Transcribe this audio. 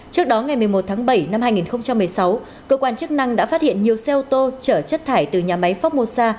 trước đó ngày một mươi một tháng bảy năm hai nghìn một mươi sáu cơ quan chức năng đã phát hiện nhiều xe ô tô trở chất thải từ nhà máy phong mô sa